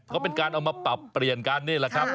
ก็เป็นการเอามาปรับเปลี่ยนกันนี่แหละครับ